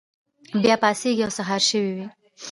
بیا پاڅیږي او سهار شوی وي.